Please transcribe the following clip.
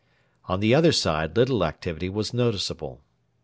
On the other side little activity was noticeable.